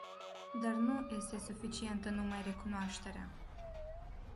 Dar nu este suficientă numai recunoașterea.